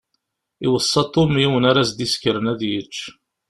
Iweṣṣa Tom yiwen ara s-d-isekren ad yečč.